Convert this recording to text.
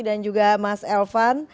dan juga mas elvan